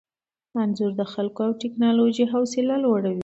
انځور د خلکو او ټیکنالوژۍ حوصله لوړوي.